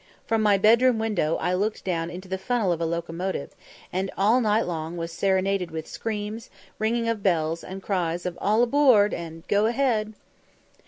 From my bedroom window I looked down into the funnel of a locomotive, and all night long was serenaded with screams, ringing of bells, and cries of "All aboard" and "Go ahead."